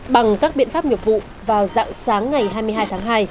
bằng các biện pháp nhập vụ vào dạo sáng ngày hai mươi hai tháng hai